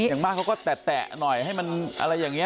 อย่างมากเขาก็แตะหน่อยให้มันอะไรอย่างนี้